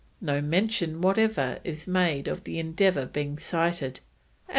No mention whatever is made of the Endeavour being sighted, and M.